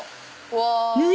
うわ！